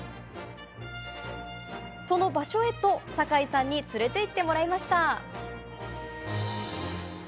その場所へと、酒井さんに連れて行ってもらいました。